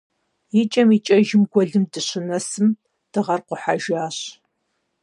ИкӀэм-икӀэжым гуэлым дыщынэсым, дыгъэр къухьэжащ.